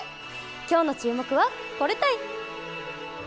今日の注目は、これたい！